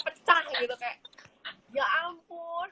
pecah gitu kayak ya ampun